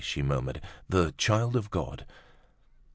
she murmured, "the 'Child of God.